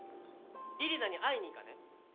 李里奈に会いに行かね？